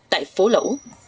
tại phố lũ